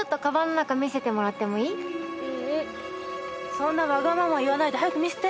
そんなわがまま言わないで早く見せて。